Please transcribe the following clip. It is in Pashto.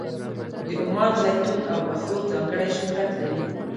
د عمان زیتون او بخور ځانګړی شهرت لري.